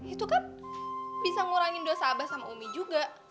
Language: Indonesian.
itu kan bisa ngurangin dosa abah sama umi juga